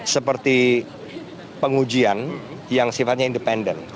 seperti pengujian yang sifatnya independen